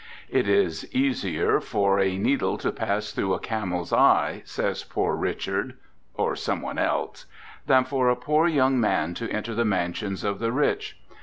_"It is easier for a needle to pass through a camel's eye," says Poor Richard, or some one else, "than for a poor young man to enter the mansions of the rich."